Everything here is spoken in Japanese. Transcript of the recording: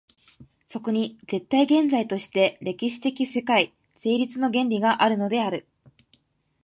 そこに絶対現在として歴史的世界成立の原理があるのである。